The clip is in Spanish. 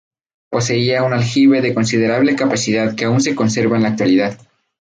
Poseía un aljibe de considerable capacidad que aún se conserva en la actualidad.